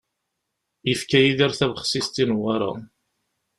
Yefka Yidir tabexsist i Newwara.